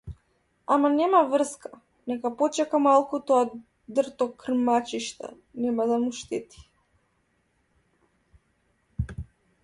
Ама нема врска, нека почека малку тоа дрто крмачиште, нема да му штети.